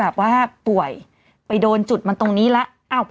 แบบว่าป่วยไปโดนจุดมันตรงนี้แล้ว